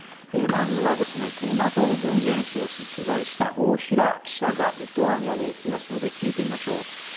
まずは、ＮＡＴＯの軍事演習を取材した大平記者がリトアニアにいますので聞いてみましょう。